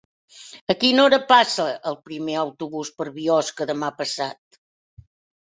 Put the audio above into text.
A quina hora passa el primer autobús per Biosca demà passat?